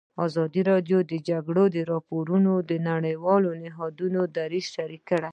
ازادي راډیو د د جګړې راپورونه د نړیوالو نهادونو دریځ شریک کړی.